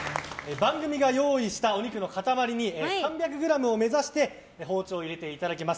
番組が用意したお肉の塊に３００ｇを目指して包丁を入れていただきます。